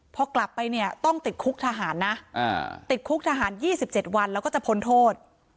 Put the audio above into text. พอกลับไปเนี่ยต้องติดคุกทหารนะติดคุกทหาร๒๗วันแล้วก็จะพ้นโทษ